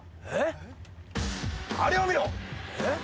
えっ？